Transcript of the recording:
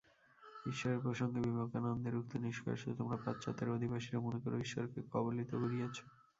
ঈশ্বরের প্রসঙ্গে বিবেকানন্দীর উক্তির নিষ্কর্ষ তোমরা পাশ্চাত্যের অধিবাসীরা মনে কর ঈশ্বরকে কবলিত করিয়াছ।